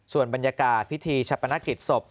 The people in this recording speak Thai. ส่วนบรรยากาศพิธีชะปนกิจศพ